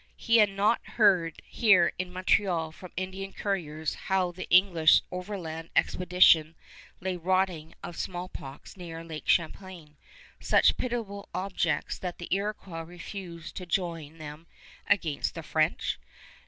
Had he not heard here in Montreal from Indian coureurs how the English overland expedition lay rotting of smallpox near Lake Champlain, such pitiable objects that the Iroquois refused to join them against the French?